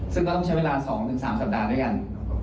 ซึ่งก็ต้องใช้เวลา๒๓สัปดาห์ด้วยกัน